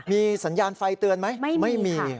มีสัญญาณไฟเตือนไหมไม่มีค่ะไม่มี